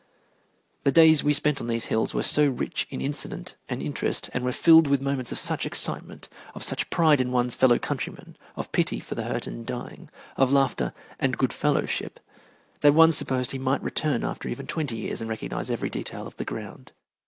The days we spent on those hills were so rich in incident and interest and were filled with moments of such excitement, of such pride in one's fellow countrymen, of pity for the hurt and dying, of laughter and good fellowship, that one supposed he might return after even twenty years and recognize every detail of the ground.